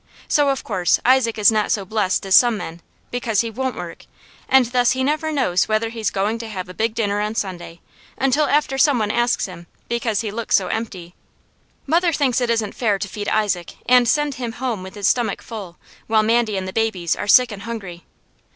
So, of course, Isaac is not so blessed as some men, because he won't work, and thus he never knows whether he's going to have a big dinner on Sunday, until after some one asks him, because he looks so empty. Mother thinks it isn't fair to feed Isaac and send him home with his stomach full, while Mandy and the babies are sick and hungry.